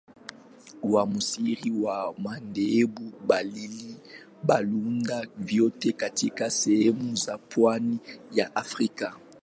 Wamisionari wa madhehebu mbalimbali waliunda vituo katika sehemu za pwani ya Afrika.